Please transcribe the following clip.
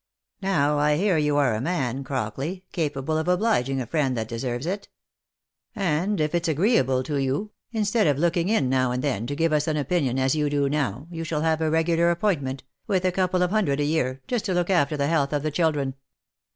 Now, I hear you are a man, Crockley, capable of obliging a friend that deserves it ; and, if it's agreeable to you, instead of looking in now and then to give us an opinion as you do now, you shall have a regular appointment, with a couple of hun dred a year, just to look after the health of the children."